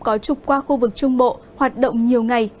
có trục qua khu vực trung bộ hoạt động nhiều ngày